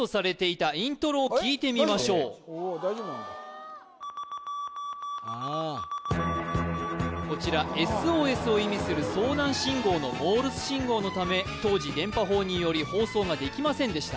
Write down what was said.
おーすごいねではこちらＳＯＳを意味する遭難信号のモールス信号のため当時電波法により放送ができませんでした